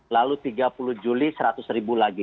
lalu tiga puluh juli rp seratus lagi